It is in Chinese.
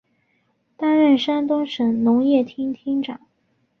担任山东省农业厅厅长。